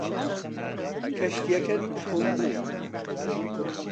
کەشتیەکە نوقم بوو.